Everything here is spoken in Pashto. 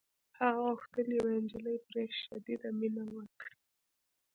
هغه غوښتل یوه نجلۍ پرې شدیده مینه وکړي